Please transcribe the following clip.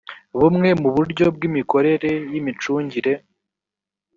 bumwe mu buryo bw’imikorere y’imicungire